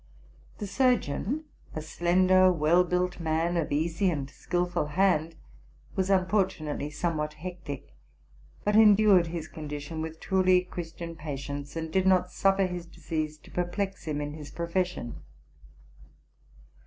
The sur geon, a slender, well built man, of easy and skilful hand, RELATING TO MY LIFE. 283 was unfortunately somewhat hectic, but endured his con dition with truly Christian patience, and did not suffer his disease to perplex him in his profession.